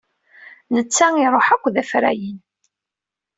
Netta iruḥ akk d afrayen.